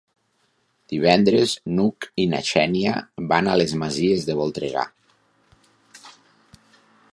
Divendres n'Hug i na Xènia van a les Masies de Voltregà.